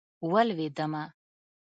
ولوېدمه.